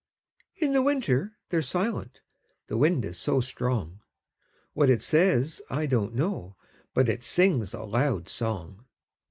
In the winter they're silent the wind is so strong; What it says, I don't know, but it sings a loud song.